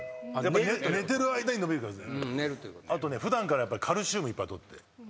あとね普段からカルシウムいっぱい取って。